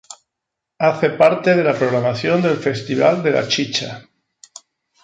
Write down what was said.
Hace parte de la programación del Festival de la Chicha.